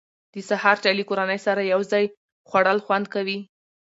د سهار چای له کورنۍ سره یو ځای خوړل خوند ورکوي.